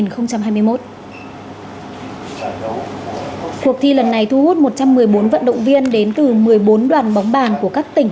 cuộc thi lần này thu hút một trăm một mươi bốn vận động viên đến từ một mươi bốn đoàn bóng bàn của các tỉnh